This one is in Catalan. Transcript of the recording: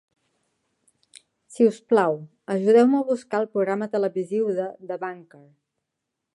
Si us plau, ajudeu-me a buscar el programa televisiu de "The Banker".